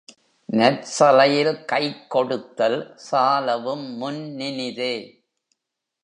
நற்சலையில் கைக்கொடுத்தல் சாலவும் முன்னினிதே